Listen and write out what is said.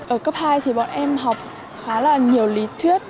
ở cấp hai thì bọn em học khá là nhiều lý thuyết